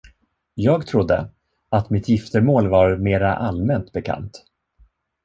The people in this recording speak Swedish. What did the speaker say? Jag trodde, att mitt giftermål var mera allmänt bekant.